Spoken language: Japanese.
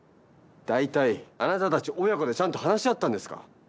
大体あなたたち親子でちゃんと話し合ったんですか？